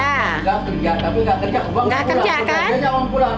tapi gak kerja uang gak pulang